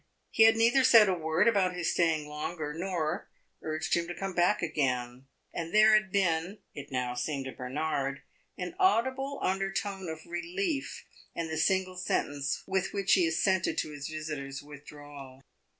He had neither said a word about his staying longer nor urged him to come back again, and there had been (it now seemed to Bernard) an audible undertone of relief in the single sentence with which he assented to his visitor's withdrawal.